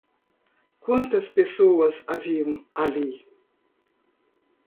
Quantas pessoas haviam ali?